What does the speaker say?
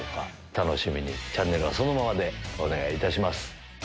楽しみにチャンネルはそのままでお願いいたします。